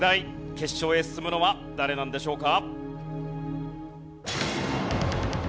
決勝へ進むのは誰なんでしょうか？